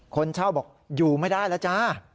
คนเช่าบอกอยู่ไม่ได้แล้วจ้า